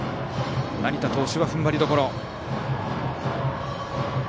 成田投手は踏ん張りどころ。